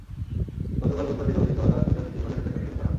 গতকাল বুধবার দিবাগত রাত দুইটার দিকে ঘরে ঢুকে তাঁকে গুলি করা হয়।